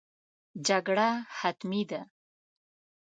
جګړه حتمي ده.